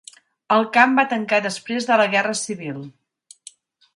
El camp va tancar després de la Guerra Civil.